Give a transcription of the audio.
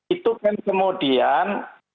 itu kan kemudian